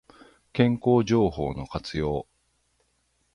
健康情報の活用